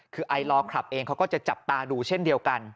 คือไอลอร์คลับเองเขาก็จะจับตาดูเช่นเดียวกัน